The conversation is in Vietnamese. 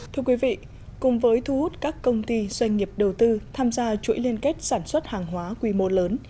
thưa quý vị cùng với thu hút các công ty doanh nghiệp đầu tư tham gia chuỗi liên kết sản xuất hàng hóa quy mô lớn